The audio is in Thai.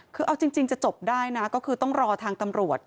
คือเอาจริงจะจบได้นะก็คือต้องรอทางตำรวจ